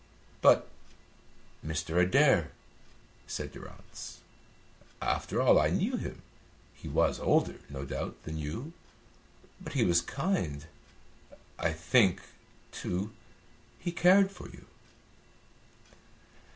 "But Mr. Adair?" said Durrance. "After all, I knew him. He was older, no doubt, than you, but he was kind. I think, too, he cared for you."